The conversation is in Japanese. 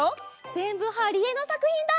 ぜんぶはりえのさくひんだ。